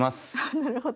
なるほど。